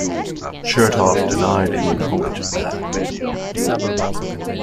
Chertoff denied any knowledge of that.